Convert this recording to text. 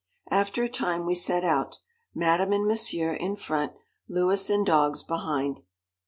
After a time, we set out. Madame and Monsieur in front, Louis and dogs behind.